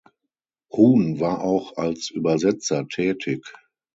Huhn war auch als Übersetzer tätig.